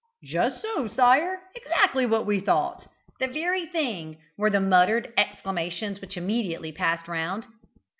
"Just so, sire." "Exactly what we thought." "The very thing," were the muttered exclamations which immediately passed round.